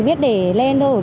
biết để lên thôi